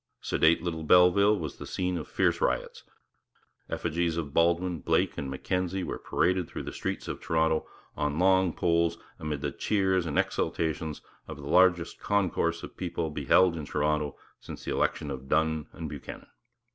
Sedate little Belleville was the scene of fierce riots. Effigies of Baldwin, Blake, and Mackenzie were paraded through the streets of Toronto on long poles 'amid the cheers and exultations of the largest concourse of people beheld in Toronto since the election of Dunn and Buchanan.'